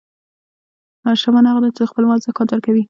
شتمن هغه دی چې د خپل مال زکات ورکوي.